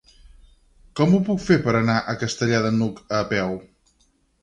Com ho puc fer per anar a Castellar de n'Hug a peu?